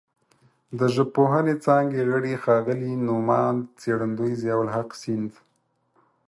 د ژبپوهنې څانګې غړي ښاغلي نوماند څېړندوی ضیاءالحق سیند